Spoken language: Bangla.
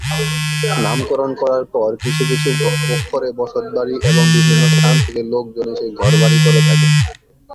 নামকরণ করার পর কিছু কিছু করে বসত বাড়ী এবং বিভিন্ন স্থান থেকে লোক জন এসে ঘর বাড়ী করে থাকে।